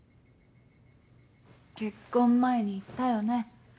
結婚前に言ったよね。